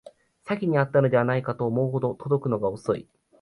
詐欺にあったのではと思うほど届くのが遅い